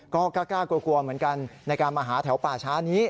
ก็กล้ากลัวเหมือนกันในการมาหาแถวป่าช้านี้